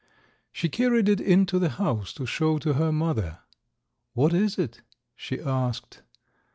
She carried it into the house to show to her mother. "What is it?" she asked.